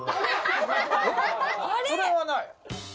それはない